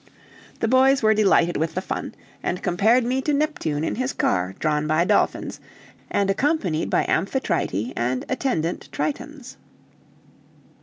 The boys were delighted with the fun, and compared me to Neptune in his car, drawn by dolphins, and accompanied by Amphitrite and attendant Tritons.